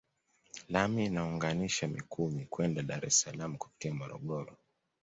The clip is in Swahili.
Lami inaunganisha Mikumi kwenda Dar es Salaam kupitia Morogoro